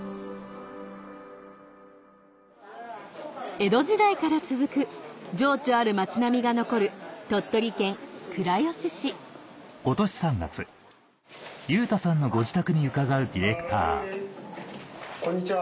江戸時代から続く情緒ある町並みが残る鳥取県倉吉市こんにちは。